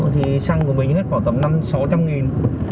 thì xăng của mình hết khoảng tầm năm trăm linh sáu trăm linh nghìn